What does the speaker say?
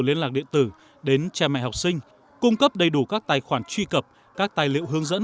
liên lạc điện tử đến cha mẹ học sinh cung cấp đầy đủ các tài khoản truy cập các tài liệu hướng dẫn